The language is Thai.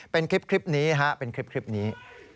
เป็นคลิปนี้เป็นคลิปนี้